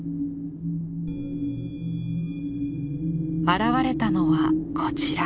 現れたのはこちら。